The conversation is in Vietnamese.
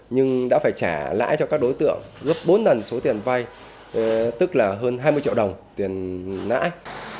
nhưng đã phải trả lãi cho các đối tượng gấp bốn lần số tiền vay tức là hơn hai mươi triệu đồng tiền lãi